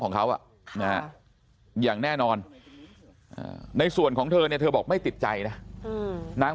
ของเขาอย่างแน่นอนในส่วนของเธอเนี่ยเธอบอกไม่ติดใจนะนาง